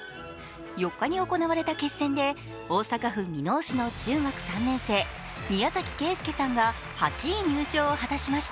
４日に行われた決戦で大阪府箕面市の中学３年生、宮崎圭介さんが８位入賞を果たしました。